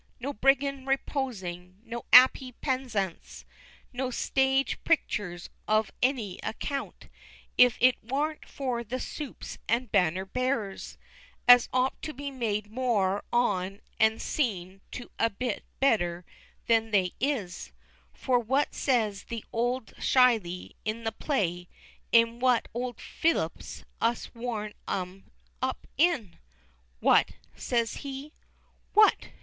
no briggands reposin', no 'appy pezzants, and no stage picturs of any account, if it warn't for the supes and banner bearers, as ought to be made more on and seen to a bit better than they is; for what says the old Shyley, in the play, 'im what old Phellups us'd to warm 'em up in? "What?" says he, "what!